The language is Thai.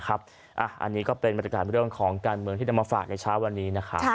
อันนี้ก็เป็นบรรยากาศเรื่องของการเมืองที่นำมาฝากในเช้าวันนี้นะครับ